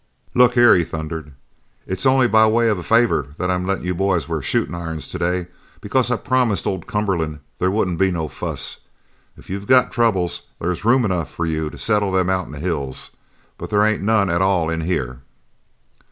"Look here," he thundered, "it's only by way of a favour that I'm lettin' you boys wear shootin' irons today because I promised old Cumberland there wouldn't be no fuss. If you got troubles there's enough room for you to settle them out in the hills, but there ain't none at all in here!"